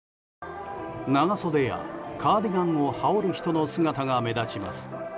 長袖やカーディガンを羽織る人の姿が目立ちます。